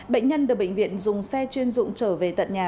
bệnh nhân được bệnh viện dùng xe chuyên dụng trở về tận nhà